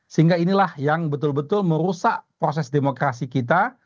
sehingga inilah yang betul betul merusak proses demokrasi kita